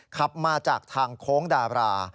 ขับมาจากทางโค้งดาบรา